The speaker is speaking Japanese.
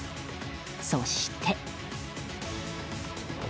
そして。